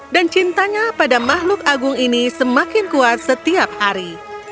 dan cintanya pada makhluk agung ini semakin kuat setiap hari